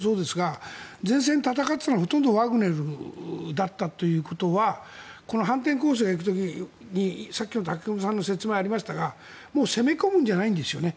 だから今回もバフムトもそうですが前線で戦っていたのはほとんどワグネルだったということは反転攻勢に行く時に、さっき武隈さんの説明がありましたが攻め込むんじゃないんですよね。